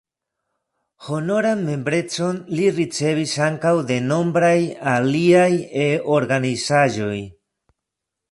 Honoran membrecon li ricevis ankaŭ de nombraj aliaj E-organizaĵoj.